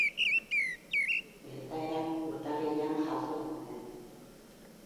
Gertaerak urtarrilean jazo ziren.